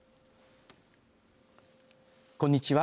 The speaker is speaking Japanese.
こんにちは。